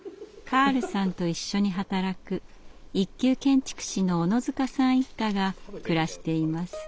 カールさんと一緒に働く一級建築士の小野塚さん一家が暮らしています。